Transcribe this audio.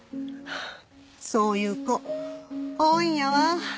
そういう子多いんやわ。